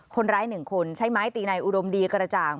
คนร้าย๑คนใช้ไม้ตีในอุดมดีกระจ่าง